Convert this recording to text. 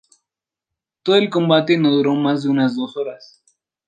Todo el combate no duró más de unas dos horas.